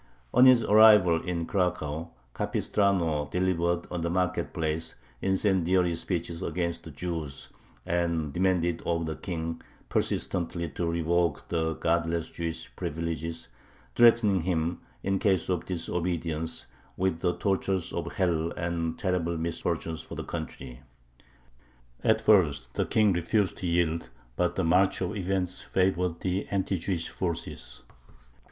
On his arrival in Cracow Capistrano delivered on the market place incendiary speeches against the Jews, and demanded of the King persistently to revoke the "godless" Jewish privileges, threatening him, in case of disobedience, with the tortures of hell and terrible misfortunes for the country. At first the King refused to yield, but the march of events favored the anti Jewish forces.